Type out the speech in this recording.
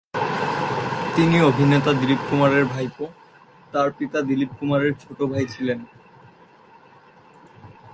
তিনি অভিনেতা দিলীপ কুমারের ভাইপো, তার পিতা দিলীপ কুমারের ছোট ভাই ছিলেন।